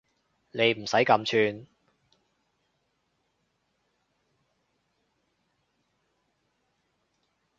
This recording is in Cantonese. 你唔使咁串